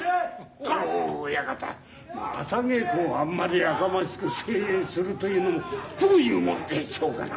親方朝稽古をあんまりやかましく声援するというのもどういうもんでしょうかな。